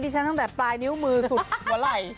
ฉันตั้งแต่ปลายนิ้วมือสุดหัวไหล่